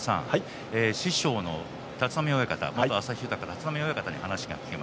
師匠の立浪親方、元旭豊の立浪親方の話です。